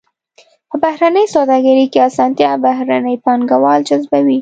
په بهرنۍ سوداګرۍ کې اسانتیا بهرني پانګوال جذبوي.